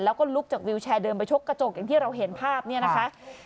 แล้วก็ลุกจากวิวแชร์เดินไปชกกระจกอย่างที่เราเห็นภาพเนี่ยนะคะ